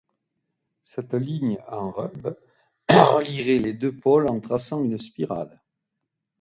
Cette ligne en rumb relierait les deux pôles en traçant une spirale.